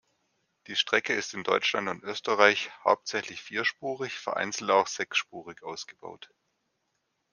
Die Strecke ist in Deutschland und Österreich hauptsächlich vierspurig, vereinzelt auch sechsspurig, ausgebaut.